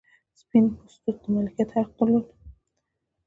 سپین پوستو د مالکیت حق درلود.